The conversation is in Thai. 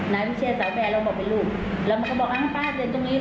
นายวิเชษสาวแฟนเราบอกเป็นลูกแล้วมันก็บอกอ้าวป้าเดินตรงนี้